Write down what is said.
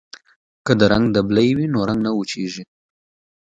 که د رنګ ډبلي وي نو رنګ نه وچیږي.